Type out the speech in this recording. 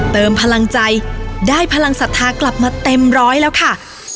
เติมพลังใจได้พลังศรัทธากลับมาเต็มร้อยแล้วค่ะ